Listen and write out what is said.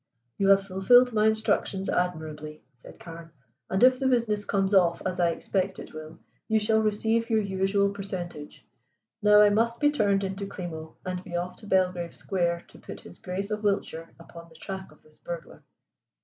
"You have fulfilled my instructions admirably," said Carne. "And if the business comes off, as I expect it will, you shall receive your usual percentage. Now I must be turned into Klimo and be off to Belgrave Square to put His Grace of Wiltshire upon the track of this burglar."